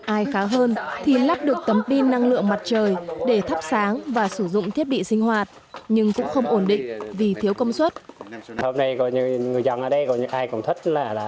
ai khá hơn thì lắp được tấm pin năng lượng mặt trời để thắp sáng và sử dụng thiết bị sinh hoạt nhưng cũng không ổn định vì thiếu công suất